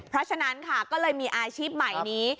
เพราะฉะนั้นค่ะก็เลยมีอาชีพใหม่นี้